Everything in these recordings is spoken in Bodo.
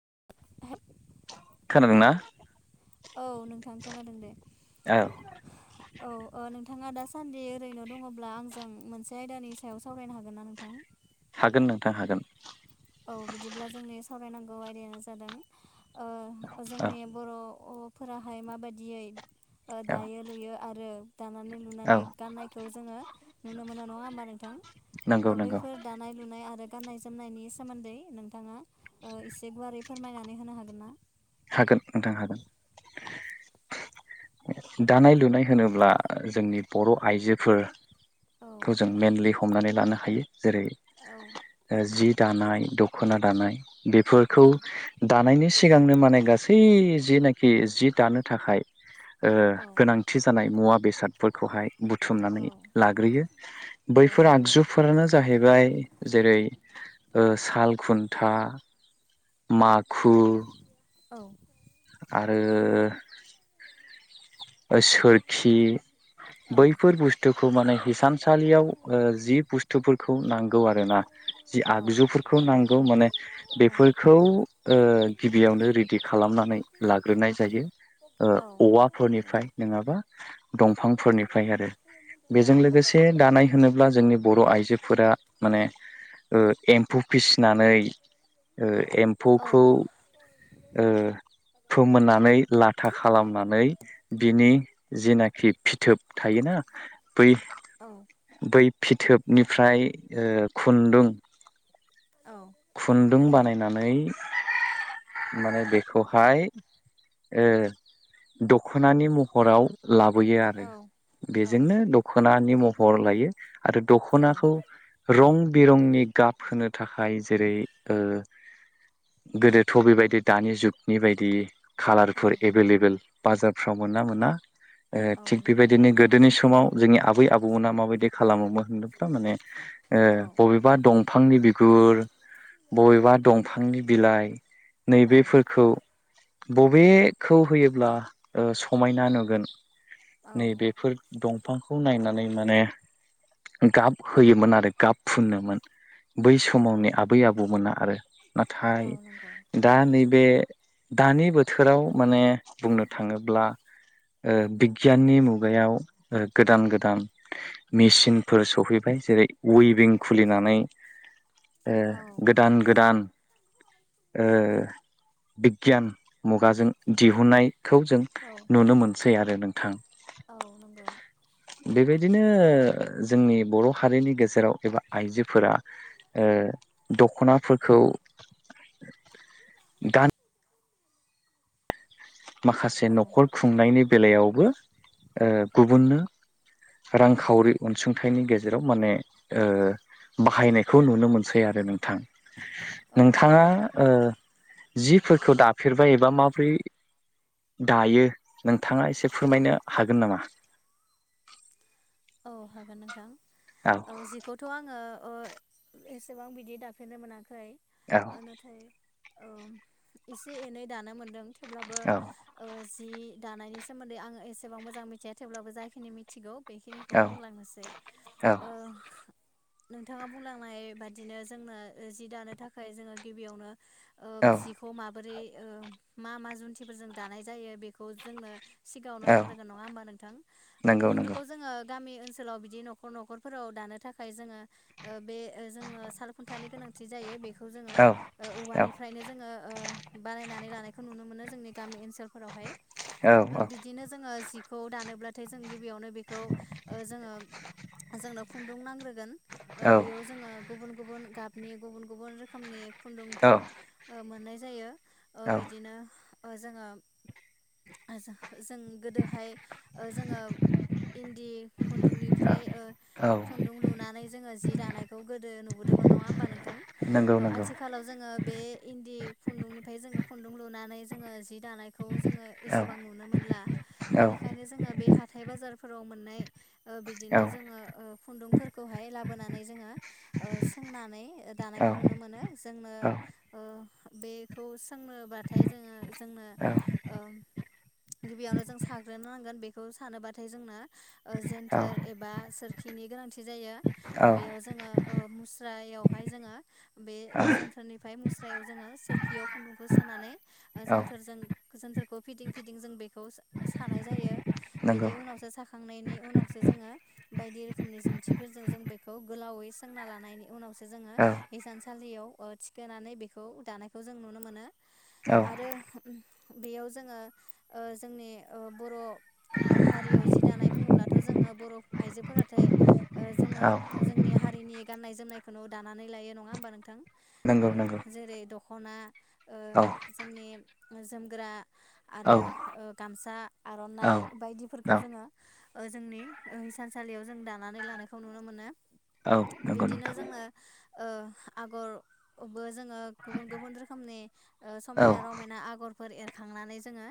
[unintelligible] खोनादोंना? औ नोंथां खोनादों दे। औ औ ओ नोंथाङा दा सान्दि ओरैनो दङब्ला आंजों मोनसे आयदानि सायाव सावरायनो हागोन ना नोंथां? हागोन नोंथां हागोन औ बिदिब्ला जोंनि सावरायनांगौ आयदायानो जादों ओ औ जोंनि बर' फोराहाय माबायदियै औ दायो लुयो आरो दानानै लुनानै औ गाननायखौ जोङो नुनो मोनो नङा होमबा नोंथां। नंगौ ओ नंगौ बैफोर दानाय लुनाय आरो गाननाय जोमनायनि सोमोन्दै नोंथाङा ओ एसे गुवारै फोरमायनानै होनो हागोन ना? हागोन नोंथां हागोन औ दानाय लुनाय होनोब्ला जोंनि बर' आरइजोफोर औ खौ जों मेनलि हमनानै लानो हायो जेरै ओ जि दानाय दख'ना दानाय औ बेफोरखौ दानायनि सिगांनो माने गासै जिनाखि जि दानो थाखाय ओ औ गोनांथि जानाय मुवा बेसादफोरखौहाय बुथुमनानै औ लाग्रोयो औ बैफोर नंगौ आगजुफोरानो जाहैबाय जेरै ओ साल खुन्था माखु औ आरो सोरखि औ बैफोर बुस्थुखौ माने हिसान थानसालियाव ओ जि बुस्थुफोरखौ नांगौ आरोना जि औ आगजुफोरखौ नांगौ माने नंगौ औ बेफोरखौ ओ गिबियावनो रेडि खालामनानै लाग्रोनाय जायो ओ औ औवाफोरनिफ्राय नोङाबा दंफांफोरनिफ्राय आरो बेजों लोगोसे दानाय होनोब्ला जोंनि बर' आइजोफोरा माने ओ एम्फौ फिसिनानै ओ औ एम्फौखौ फोमोननानै लाथा खालामनानै बिनि जेनाखि फिथोब थायोना बै औ बै फिथोबनिफ्राय ओ खुन्दुं औ खुनदुं बानायनानै माने बेखौहाय दख'नानि महराव लाबोयो आरो औ बेजोंनो दख'नानि महर लायो, - आरो दख'नाखौ रं बिरंनि गाब होनो थाखाय जेरै ओ गोदोथ' बेबायदि दानि जुगनि बायदि खालारफोर एभेलेबेल बाजारफ्राव मोना मोना औ थिग नंगौ बेबायदिनो गोदोनि समाव जोंनि आबै आबौमोना माबायदि खालामोमोन होनदोंब्ला माने औ बबेबा दं बिफांनि बिगुर बबेबा दंफांनि बिलाइ औ नैबेफोरखौ बबेखौ होयोब्ला समायनासिन नुगोन औ नै बेफोर दं! ! बिफांखौ नायनानै माने गाब होयोमोन आरो गाब फुनोमोन। बै समावनि आबै आबौमोना आरो औ नाथाय नंगौ दा नै बे दानि बोथोराव माने बुंनो थाङोब्ला बिगियाननि मुगायाव गोदान गोदान मेसिनफोर सहैबाय जेरै उइभं खुलिनानै [inaudible] ओ औ गोदान गोदान ओ बिगियान मुगाजों दिहुननाय खौ जों नुनो मोनसै आरो नोंथां। औ नंगौ बेबायदिनो जोंनि बर' हारिनि गेजेराव एबा आइजोफोरा दख'नाफोरखौ गान माखासे औ न'खर खुंनायनि बेलायावबो गुबुननो रांखावरि अनसुंथाइनि गेजेराव माने ओ बाहायनायखौ नुनो मोनसै आरो नोंथां औ नोंथाङा नंगौ जिफोरखौ दाफेरबाय एबा माबोरै दायो नोंथाङा एसे औ फोरमायनो हागोन नामा? औ हागोन नोंथां औ जिखौथ' आङो एसेबां बिदि दाफेरनो मोनाखै औ नाथाय एसे एनै दानो मोनदों थेवब्लाबो औ जि दानायनि सोमोन्दै आं एसेबां मोजां मिथिया थेवब्लाबो जाखिनि मिथिगौ बे खौ बुंलांनोसै औ नोंथाङा बुंलांनाय बादिनो जोंनो जि दानो थाखाय जोङो गिबियावनो औ जिखौ माबोरै मा मा जुन्थिफोरजों दानाय जायो बेखौ जोंनो सिगाङावनो औ नांग्रोगोन नङा होमबा नोंथां नंगौ नंगौ बेफोरखौ जोङो गामि ओनसोलाव बिदि न'खर न'खरफोराव दानो थाखाय जोङो बे जो सालखुन्थानि गोनांथि जायो बेखौ जोङो औ औ औवानिफ्रायनो जोङो बानायनानै लानायखौ नुनो मोनो। गामि औ बिदिनो जोङो जिखौ दानोब्लाथाय [unintelligible] गिबियावनो बेखौ जोङो जोंनो खुन्दुं नांग्रोगोन औ बेयाव जोङो गुबुन गुबुन गाबनि गुबुन गुबुन रोखोमनि खुन्दुंफोर औ मोननाय जायो औ बिदिनो जोङो जों गोदोहाय जोङो इनदि खुन्दुंनिफ्राय औ खुन्दुं लुनानै जोङो जि दानायखौ गोदो नुबोदोंमोन नङा होमबा नोंथां नंगौ नंगौ आथिखालाव जोङो बे इन्दि खुन्दुंनिफ्राय जोङो खुन्दुं लुनानै जोङो जि दानायखौ जोङो औ एसेबां नुनो मोनला औ बेनिखायनो जोङो बे हा थाय बाजारफोराव मोननाय ओ औ बिदिनो जोङो ओ खुन्दुंफोरखौहाय लाबोना नै जोङो ओ सोंनानै दानायखौ नुनो मोनो जोंनो औ ओ बेखौ सोंनोबाथाय जोङो जोंनो औ ओ गिबियावनो जों साग्रोनो नांगोन बेखौ सानोबाथाय जोंनो ओ जेेनथेर एबा सोर खिनि गोनांथि जायो बेयाव जोङो ओ मुस्रायावहाय जोङो बे जोनथोरनिफ्राय मुस्रायाव जोङो सोरखियाव खुन्दुंखौ सोनानै ओ जोनथोरजों गोजोनफोरखौ फिदिं फिदिं जों बेखौ सानाय जायो नंगौ बिनि उनावसो साखांनायनि उनावसो जोङो बायदि रोखोमनि जन्थिफोरजों जों बेखौ गोलावै सोंना लानायनि उनाव सु जोङो औ हसानसालियाव ओ थिखोनानै बेखौ दानायखौ जों नुनो मोनो औ आरो बेयाव जोङो ओ जोंनि ओ बर' हारियाव जि दानाय बुङोब्लाथ' जोङो बर' आइजोफोराथाय ओ औ जोङो जोंनि हारिनि गाननाय जोमनायखौनो दानानै लायो नङा होमबा नोंथां नंगौ नंगौ ओ जेरै दख'ना ओ औ जोंनि जोमग्रा औ आरो ओ गामसा औ आर'नाइ औ बायदिफोरखौ जोङो ओ जोंनि ओ हिसानसालियाव जों दानानै लानायखौ नुनो मोनो औ नंगौ बिदिनो नोंथां। जोङो ओ आगर बो जोङो गुबुन गुबुन रोखोमनि ओ औ समायना रमायना आगरफोर एरखांनानै जोङो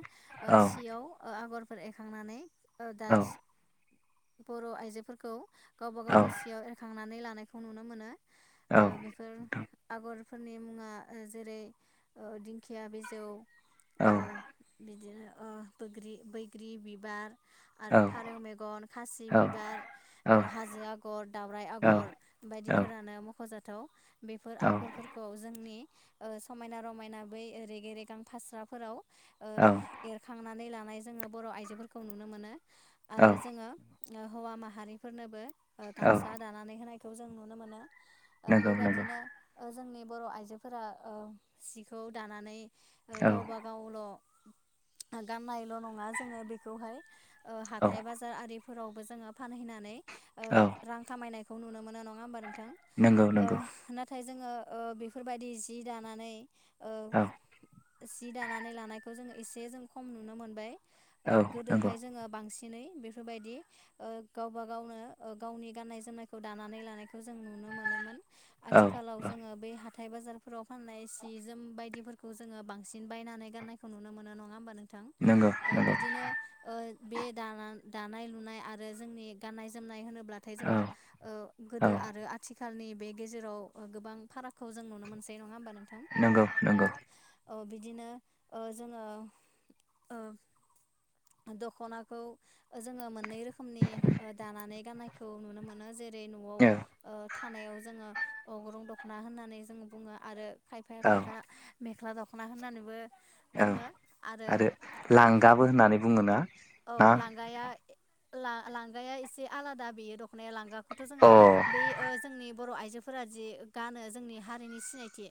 ओ औ सियाव ओ आगरफोर एरखांनानै ओ दा औ बर' आइजोफोरखौ गावबा गावनि सियाव एरखांनानै लानायखौ नुनो मोनो औ ओ बेफोर आगर फोरनि मुङा जेरै ओ दिंखिया बिजौ औ ओ बिदिनो ओ बग्रि बैग्रि बिबार औ आरो फारौ मेगन खासि औ बिबार ओ हाजो आगर दावराइ आगर बायदिफोरानो मख'जाथाव बेफोर आगरफोरखौ जोंनि ओ समायना रमायना बै रेगे रेगां फास्राफोराव ओ एरखांनानै लाना नै जोङो बर' आइजोफोरखौ नुनो मोनो आरो जोङो ओ हौवा माहारिफोरनोबो ओ-गामसा दानानै होनायखौ जों नुनो मोनो ओ- नंगौ नंगौ बेबादिनो ओ- जोंनि बर' आइजोफोरा ओ- सिखौ दानानै ओ-गावबा गावल' गाननायल' नङा जोङो बेखौहाय ओ- औ हाथाय बाजार आरि। फोरावबो जोङो फानहैनानै औ ओ- रां खामायनायखौ नुनो मोनो नङा होमबा? थां नंगौ नंगौ ओ-नाथाय जोङो ओ- बेफोरबायदि जि दानानै। औ सि दानानै लानायखौ जोङो एसे जों खम नुनो मोनबाय औ ओ- नंगौ गोदोहाय जोङो बांसिन। सिनै बेफोरबायदि ओ- गावबा गावनो गावनि गाननाय जोमनायखौ दानानै लानायखौ जों नुनो। नुनो मोनोमोन औ आथिखालाव औ जोङो बे हा थाय बाजारफोराव फाननाय सि जोम बायदिफोरखौ जोङो बांसिन बायनानै गाननायखौ नुनो मोनो नङा होमबा नों थां नंगौ नंगौ ओ-बिद बे दाना- दानाय लुनाय आरो जोंनि गाननाय जोमनाय होनोबा ब्लाथाय औ जोङो ओ- औ गोदो आरो आथि खालनि बे गेजेराव गोबां फारागखौ जों नुनो मोनसै नङा होमबा नों नंगौ नंगौ औ बिदिनो ओ-जोङो ओ- दख'नाखौ ओ-जोङो मोननै रोखोमनि ओ-दानानै गाननायखौ नुनो मोनो जे रै न'आव औ ओ-थानायाव जोङो अग्रुं दख'ना होननानै जोङो बुङो आरो। खायफाया औ खायफा मेख्ला दख'ना होननानैबो। औ आरो ओ खाय लांगाबो होननानै बुङो ना ना? ला-लांगाया एसे आलादा बेयो दख'नाया लांगाखौथ' अ जोङो औ बे ओ-जोंनि। बर' आइजोफोरा जि गानो जोंनि हारिनि सिनाय थि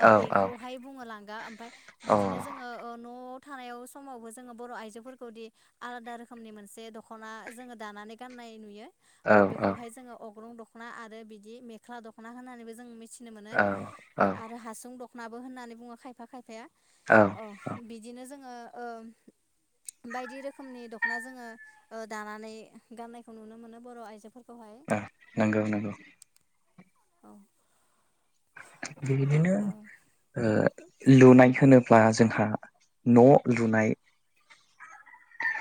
ओ- औ अ बेखौहाय बुङो लांगा ओमफाय औ बिदिनो जोङो ओ- न' थानायाव समावबो जोङो बर' आइजो। फोरखौदि आलादा रोखोमनि मोनसे दख'ना जोङो दानानै गाननाय नुयो। औ अ बेखौहाय जोङो अग्रं दख'ना आरो बिदि मेख्ला दख'ना होननानैबो जों मिथि नो मोनो औ ओ-आरो हासुं दख'नाबो होननानै बुङो खायफा खायफाया। औ बिदिनो जोङो ओ- बायदि रोखोमनि दख'ना जोङो ओ- दानानै गाननायखौ नुनो मोनो बर' आइजोफोरखौ। नंगौ नंगौ औ बिबायदिनो औ ओ- लुनाय होनोब्ला जोंहा न' लुनाय।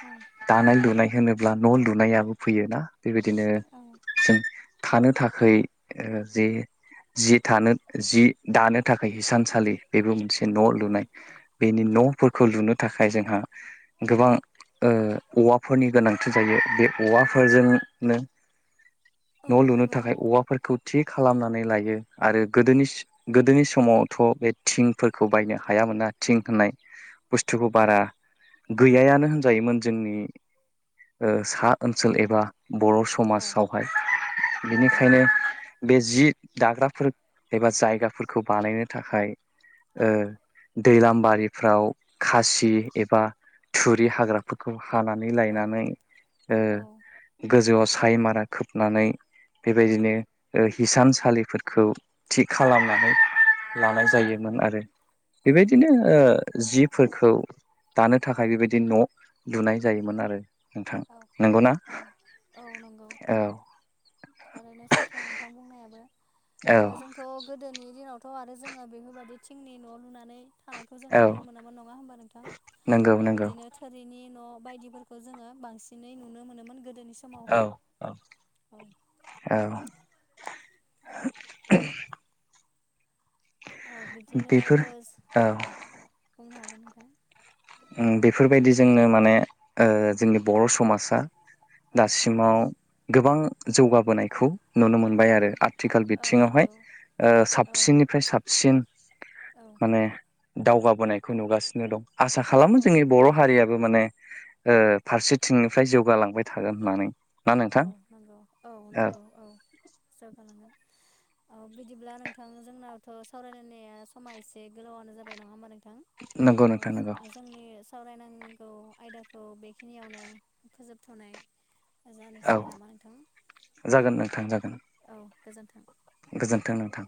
औ दानाय लुनाय होनोब्ला न' लुनायाबो फैयो ना? बेबायदिनो जों थानो थाखै ओ- जे जि थानो जि दानो थाखाय हिसानसालि बेबो मोनसे न' लुनाय। बेनि न'फोरखौ लुनो थाखाय जोंहा गोबां। ओ-औवाफोरनि गोनांथि जायो बे औवाफोरजोंनो। औ न' लुनो नंगौ थाखाय औवाफोरखौ थि खालामनानै लायो आरो। गोदोनि स- गोदोनि समावथ' बे थिंफोरखौ बायनो हायामोना थिं होननाय बुस्थु खौ बारा गैयानो होनजायोमोन जोंनि। ओ-सा ओनसोल एबा बर' औ समाजावहाय औ बिनिखायनो नंगौ बे जि दाग्राफोर। एबा जायगाफोरखौ बानायनो थाखाय औ ओ- [unintelligible] बारिफ्राव खासि एबा थुरि हाग्राफोरखौ। हानानै औ लायनानै औ ओ-गोजौआव साय मारा खोबनानै। औ बेबायदिनो ओ-हिसानसालिफोरखौ। थिग औ खालामनानै लानाय जायोमोन आरो औ बेबायदिनो ओ- जिफोरखौ दानो थाखाय बेबायदि औ न' लुनाय जायोमोन आरो। नोंथां नंगौ ना? औ औ ओनो सैथो नोंथां बुंनायाबो औ ओ-जोंथ' गोदोनि दिनावथ थ' आरो जोङो बेफोरबायदि थिंनि न' लुनानै। थानायखौ जों औ नुनो मोनामोन नङा हबा नोंथां नंगौ औ नंगौ बिदिनो थोरिनि न'। बायदिफोरखौ जोङो बांसिनै नुनो मोनोमोन गोदोनि औ समावहाय औ औ। औ। औ बिदिनो बेफोर ओस औ बुंनो हागोन नोंथां। बेफोरबायदि जोंनो माने जोंनि बर' समाजा। औ दासिमाव गोबां जौगाबोनायखौ। नुनो मोनबाय औ आरो आथिखाल औ बिथिङावहाय नंगौ ओ औ साबसिननिफ्राय साबसिन। औ माने दावगाबोनायखौ नुगासिनो दं आसा खालामो औ जोंनि बर' हारियाबो माने। ओ फारसेथिंनिफ्राय जौगालांबाय थागोन होननानै। ना औ नोंथां नंगौ औ नंगौ औ जौगालांगोन। औ बिदिब्ला नोंथां जोंनावथ' सावरायलायनाया समा एसे गोलावानो जाबाय नङा ओमबा नों थां नंगौ नोंथां ओस नंगौ जोंनि सावरायनाय नांगौ आयदाखौ बेखिनियावनो फोजोबथ'नाय। औ जानोसै नामा नोंथां जागोन नोंथां जागोन। औ गोजोन्थों। गोजोन्थों नोंथां।